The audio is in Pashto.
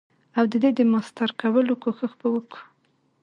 او ددی د ماستر کولو کوښښ به کوو.